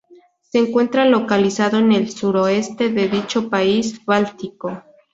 Se encuentra localizado en el sur-oeste de dicho país báltico.